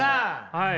はい。